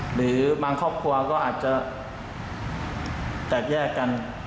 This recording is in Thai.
หรือบางครอบครัวก็อาจจะแตกแยกกัน